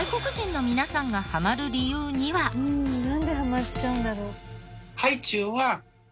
なんでハマっちゃうんだろう？